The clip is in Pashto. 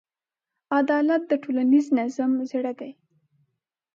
عدالت د ټولنیز نظم زړه دی.